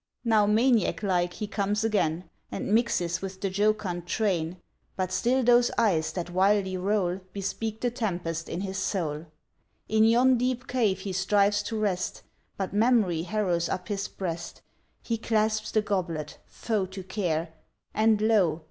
Now, maniac like, he comes again, And mixes with the jocund train; But still those eyes that wildly roll, Bespeak the tempest in his soul. In yon deep cave he strives to rest, But Mem'ry harrows up his breast; He clasps the goblet, foe to Care, And lo!